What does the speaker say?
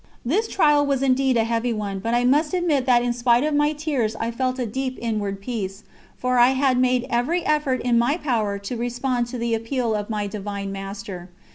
This trial was indeed a heavy one, but I must admit that in spite of my tears I felt a deep inward peace, for I had made every effort in my power to respond to the appeal of my Divine Master.